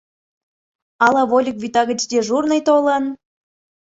— Ала вольык вӱта гыч дежурный толын...